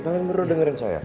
kalian perlu dengerin saya